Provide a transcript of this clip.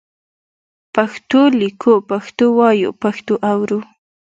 پښتو لیکو، پښتو وایو، پښتو اورو.